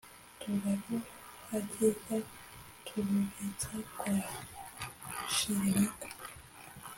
turaruhageza turubitsa kwa Shirimpaka